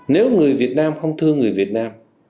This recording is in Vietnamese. nếu người việt nam không thương người việt nam